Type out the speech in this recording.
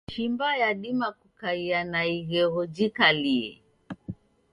Shimba yadima kukaia na ighegho jikalie.